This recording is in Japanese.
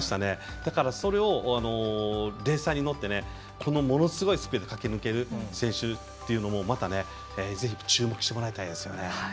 だからそれをレーサーに乗ってものすごいスピードで駆け抜ける選手っていうのはまたぜひ注目してもらいたいですね。